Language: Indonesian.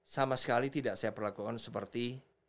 sama sekali tidak saya perlakukan seperti